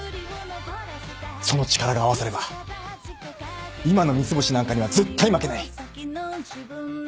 その力が合わされば今の三ツ星なんかには絶対負けない。